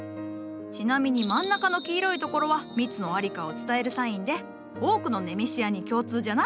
ちなみに真ん中の黄色いところは蜜の在りかを伝えるサインで多くのネメシアに共通じゃな。